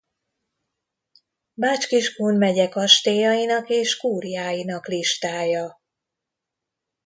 Bács-Kiskun megye kastélyainak és kúriáinak listája